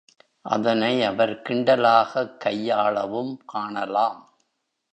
அதனை அவர் கிண்டலாகக் கையாளவும் காணலாம்.